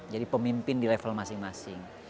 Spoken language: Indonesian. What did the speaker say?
jadi pemimpin di level masing masing